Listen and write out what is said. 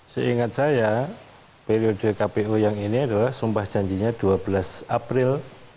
seingat saya periode kpu yang ini adalah sumpah janjinya dua belas april dua ribu dua puluh